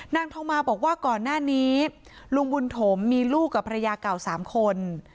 นางทองมาบอกว่าก่อนหน้านี้ลุงบุญถมมีลูกกับภรรยาเก่า๓คน